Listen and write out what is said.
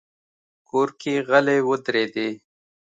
کور کې غلې ودرېدې.